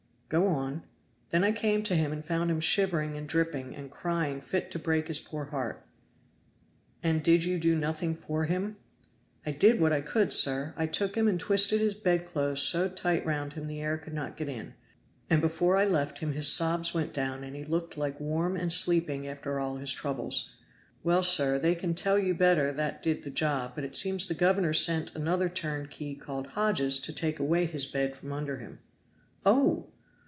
"Go on." "Then I came to him and found him shivering and dripping, and crying fit to break his poor heart." "And did you do nothing for him?" "I did what I could, sir. I took him and twisted his bedclothes so tight round him the air could not get in, and before I left him his sobs went down and he looked like warm and sleeping after all his troubles. Well, sir, they can tell you better that did the job, but it seems the governor sent another turnkey called Hodges to take away his bed from under him." "Oh!"